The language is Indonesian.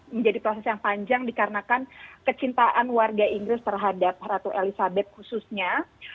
menjadi proses yang panjang dikarenakan kecintaan warga inggris terhadap ratu elizabeth khususnya